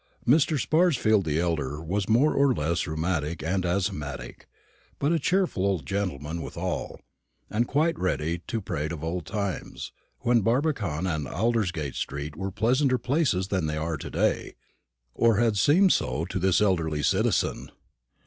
Mr. Sparsfield the elder was more or less rheumatic and asthmatic, but a cheerful old man withal, and quite ready to prate of old times, when Barbican and Aldersgate street were pleasanter places than they are to day, or had seemed so to this elderly citizen.